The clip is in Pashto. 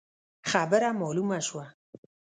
خبره مالومه شوه.